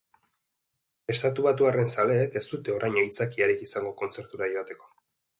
Estatubatuarren zaleek ez dute orain aitzakiarik izango kontzertura joateko.